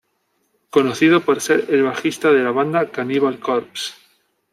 Conocido por ser el bajista de la banda Cannibal Corpse.